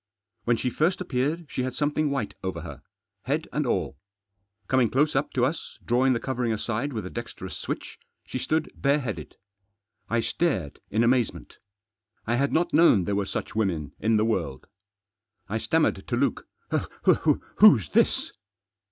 When she first appeared she had something white over her, head and all. Coming close up to us, drawing the covering aside with a dexterous switch, she stood bareheaded. I stared in amazement. I had not known there were such women in the world. I stammered to Luke— "Who's this?"